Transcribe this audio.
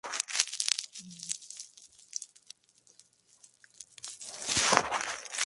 Estas plantas son especies no nativas que se producen localmente en la región.